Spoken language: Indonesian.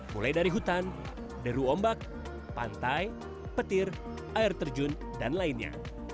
mulai dari hutan deru ombak pantai petir air terjun dan lainnya